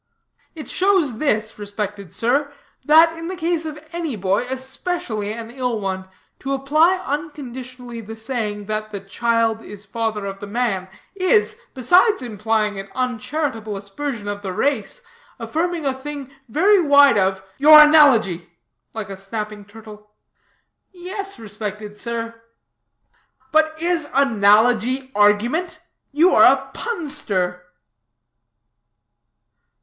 "It shows this, respected sir, that in the case of any boy, especially an ill one, to apply unconditionally the saying, that the 'child is father of the man', is, besides implying an uncharitable aspersion of the race, affirming a thing very wide of "" Your analogy," like a snapping turtle. "Yes, respected sir." "But is analogy argument? You are a punster."